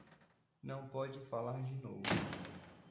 Não pode falar de novo